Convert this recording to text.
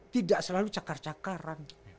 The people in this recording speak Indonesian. tidak selalu cakar cakaran